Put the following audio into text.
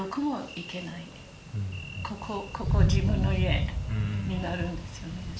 ここここ自分の家になるんですよね。